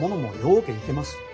うけいてます。